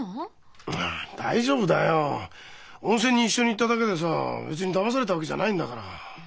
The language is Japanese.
あ大丈夫だよ。温泉に一緒に行っただけでさ別にだまされたわけじゃないんだから。